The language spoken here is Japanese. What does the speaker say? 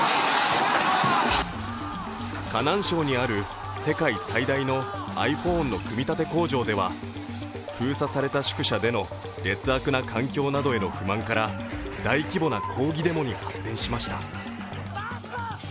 河南省にある世界最大のｉＰｈｏｎｅの組み立て工場では封鎖された宿舎への劣悪な環境などへの不満から大規模な抗議デモに発展しました。